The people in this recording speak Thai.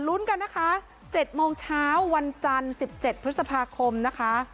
ลุ้นกันนะคะ๗โมงเช้าวันจันทร์๑๗พฤษภาคมนะคะ